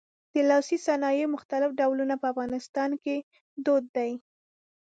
د لاسي صنایعو مختلف ډولونه په افغانستان کې دود دي.